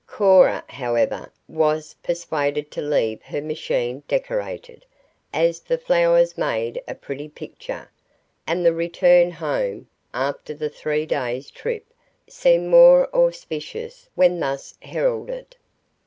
Cora, however, was persuaded to leave her machine decorated, as the flowers made a pretty picture, and the return home, after the three days' trip, seemed more auspicious when thus heralded.